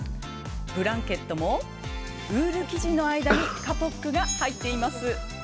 ブランケットもウール生地の間にカポックが入っています。